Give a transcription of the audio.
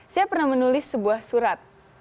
saya pernah menulis sebuah surat